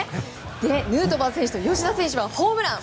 ヌートバー選手と吉田選手はホームラン。